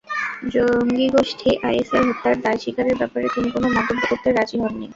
জঙ্গিগোষ্ঠী আইএসের হত্যার দায় স্বীকারের ব্যাপারে তিনি কোনো মন্তব্য করতে রাজি হননি।